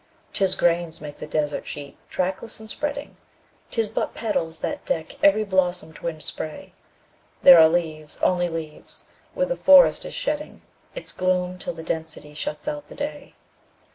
'Tis grains make the desert sheet, trackless and spreading; 'Tis but petals that deck every blossom twinned spray; There are leaves only leaves where the forest is shedding Its gloom till the density shuts out the day.